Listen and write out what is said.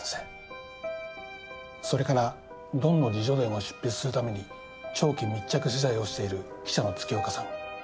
それからドンの自叙伝を執筆するために長期密着取材をしている記者の月岡さん。